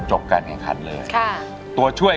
จบการแห่งคันเลยตัวช่วย